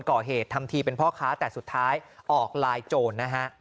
ก่อเหตุทำทีเป็นพ่อค้าแต่สุดท้ายออกลายโจรนะฮะ